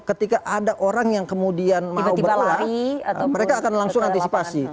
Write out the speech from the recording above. ketika ada orang yang kemudian mau berlari mereka akan langsung antisipasi